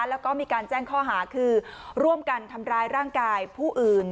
แล้วก็มีการแจ้งข้อหาคือร่วมกันทำร้ายร่างกายผู้อื่น